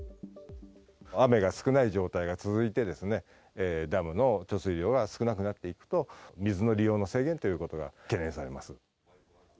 雨が少ない状態が続いて、ダムの貯水量が少なくなっていくと、水の利用の制限ということが懸念されます。